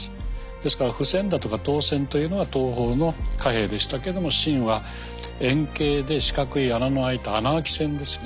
ですから布銭だとか刀銭というのは東方の貨幣でしたけども秦は円形で四角い穴のあいた穴あき銭ですね。